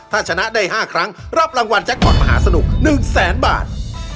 ถ้าชนะได้๕ครั้งรับรางวัลแจ็คพอร์ตมหาสนุก๑แสนบาท